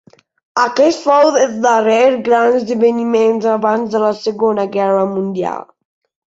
Aquest fou el darrer gran esdeveniment abans de la Segona Guerra Mundial.